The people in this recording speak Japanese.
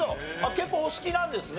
結構お好きなんですね。